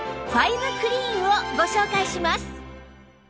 ファイブクリーンをご紹介します